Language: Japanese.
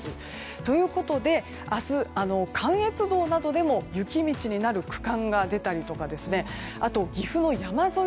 ということで、明日関越道などでも雪道になる区間が出たりとかあとは、岐阜の山沿い